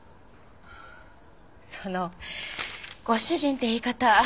そのご主人って言い方